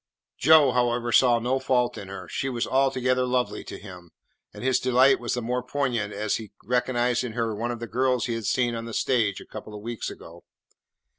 Joe, however, saw no fault in her. She was altogether lovely to him, and his delight was the more poignant as he recognised in her one of the girls he had seen on the stage a couple of weeks ago.